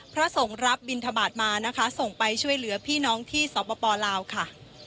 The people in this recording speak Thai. พระสงฆ์รับบินทบาทมานะคะส่งไปช่วยเหลือพี่น้องที่สปลาวค่ะ